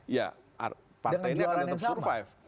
ya partainya akan tetap survive